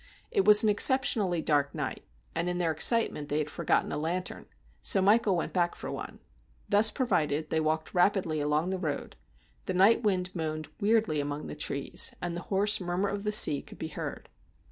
It was an exceptionally dark night, and in their excite ment they had forgotten a lantern, so Michael went back for one. Thus provided they walked rapidly along the road. The night wind moaned weirdly among the trees, and the hoarse murmur of the sea could be heard.